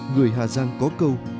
người hà giang có câu